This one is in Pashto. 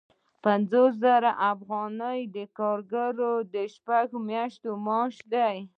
پنځوس زره افغانۍ د کارګرانو د شپږو میاشتو معاش دی